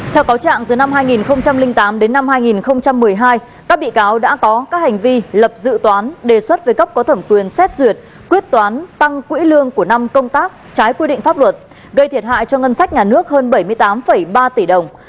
theo cáo trạng từ năm hai nghìn tám đến năm hai nghìn một mươi hai các bị cáo đã có các hành vi lập dự toán đề xuất với cấp có thẩm quyền xét duyệt quyết toán tăng quỹ lương của năm công tác trái quy định pháp luật gây thiệt hại cho ngân sách nhà nước hơn bảy mươi tám ba tỷ đồng